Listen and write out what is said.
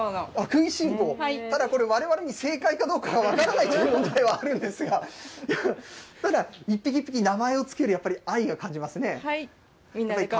食いしん坊、ただ、これわれわれも正解かどうか分からない状態ではあるんですが、ただ、一匹一匹名前を付ける、愛が感じられますね。